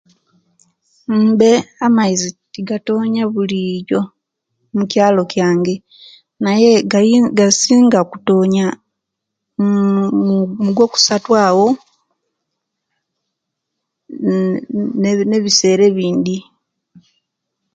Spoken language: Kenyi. Mbe amaizi tigatonya bulijo mukyalo kyange naye gasinga kutonya mu mugwokusatu awo uuh nebisera ebindi